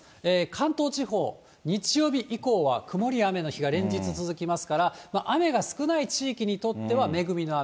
関東地方、日曜日以降は曇りや雨の日が連日続きますから、雨が少ない地域にとっては、恵みの雨。